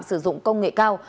sử dụng bóng đá